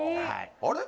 あれ？